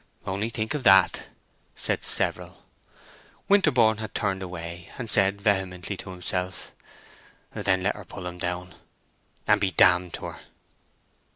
"Only think of that!" said several. Winterborne had turned away, and said vehemently to himself, "Then let her pull 'em down, and be d—d to her!"